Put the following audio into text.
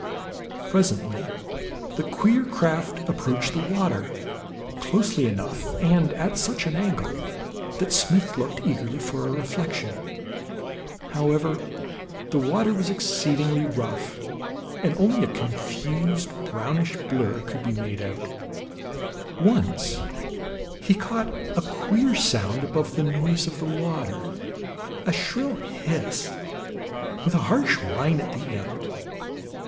Presently the queer craft approached the water closely enough, and at such an angle, that Smith looked eagerly for a reflection. However, the water was exceedingly rough, and only a confused brownish blur could be made out. Once he caught a queer sound above the noise of the water; a shrill hiss, with a harsh whine at the end.